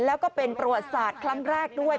แล้วก็เป็นประวัติศาสตร์ครั้งแรกด้วย